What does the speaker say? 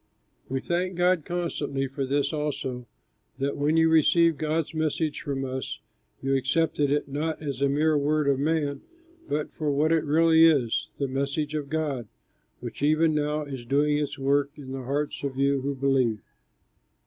We thank God constantly for this also, that when you received God's message from us you accepted it not as a mere word of man but for what it really is, the message of God, which even now is doing its work in the hearts of you who believe.